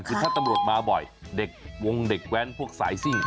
คือถ้าตำรวจมาบ่อยเด็กวงเด็กแว้นพวกสายซิ่ง